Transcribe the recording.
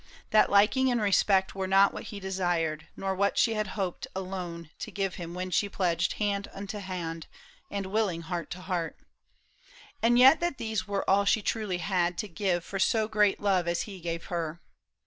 That liking and respect Were not what he desired, nor what she Had hoped alone to give him when she pledged PA UL I SHAM. 5 I Hand unto hand and willing heart to heart, And yet that these were all she truly had To give for so great love as he gave her.